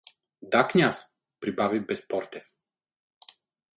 — Да, княз? — прибави Безпортев.